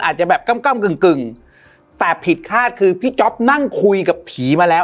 อาจจะแบบกำกึ่งกึ่งแต่ผิดคาดคือพี่จ๊อปนั่งคุยกับผีมาแล้ว